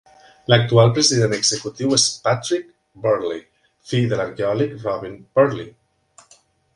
L'actual president executiu és Patrick Birley, fill de l'arqueòleg Robin Birley.